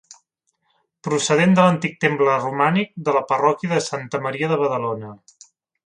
Procedent de l'antic temple romànic de la parròquia de Santa Maria de Badalona.